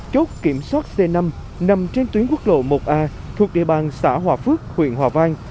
chốt kiểm soát c năm nằm trên tuyến quốc lộ một a thuộc địa bàn xã hòa phước huyện hòa vang